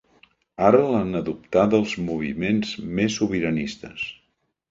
Ara l'han adoptada els moviments més sobiranistes.